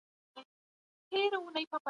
ژوند یو دوامداره کړاو دی.